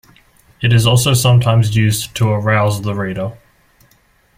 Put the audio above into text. It is also sometimes used to arouse the reader.